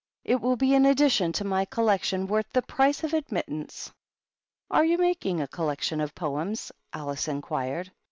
It will be an addition to my collection worth the price of ad mittance." "Are you making a collection of poems?" Alice inquired.